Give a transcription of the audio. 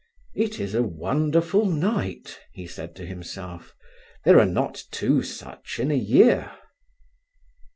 "It is a wonderful night," he said to himself. "There are not two such in a year."